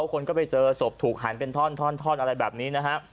คนก็ไปเจอศพถูกหันเป็นท่อนอะไรแบบนี้นะฮะ